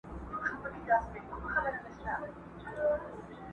نن به توره د خوشحال راوړي رنګونه٫